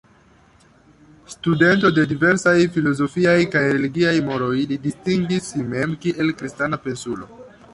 Studento de diversaj filozofiaj kaj religiaj moroj, li distingis si mem kiel Kristana pensulo.